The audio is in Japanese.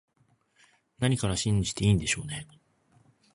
何から信じていいんでしょうね